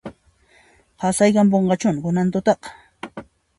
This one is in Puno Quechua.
Qasayamunqachuhina kunan tutaqa